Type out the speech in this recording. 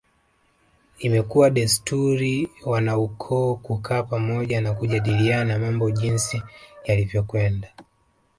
Imekuwa kama desturi wanaukoo kukaa pamoja na kujadiliana mambo jinsi yalivyokwenda